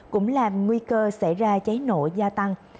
cũng làm nguy cơ xảy ra cháy nổ gia tăng